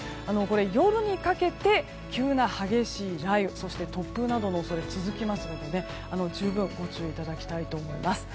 夜にかけて急な激しい雷雨そして突風などの恐れが続きますので十分、ご注意いただきたいと思います。